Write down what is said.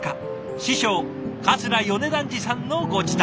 師匠桂米團治さんのご自宅。